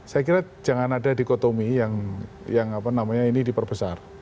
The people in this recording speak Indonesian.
saya kira jangan ada dikotomi yang ini diperbesar